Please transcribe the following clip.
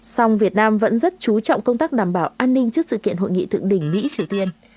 song việt nam vẫn rất chú trọng công tác đảm bảo an ninh trước sự kiện hội nghị thượng đỉnh mỹ triều tiên